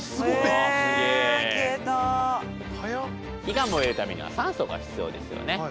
火が燃えるためには酸素が必要ですよね。